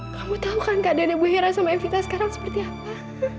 kamu tau kan keadaan ibu hera sama evita sekarang seperti apa